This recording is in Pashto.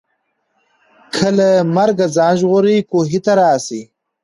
که له مرګه ځان ژغورې کوهي ته راسه